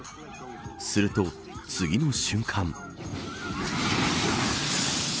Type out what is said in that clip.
すると次の瞬間。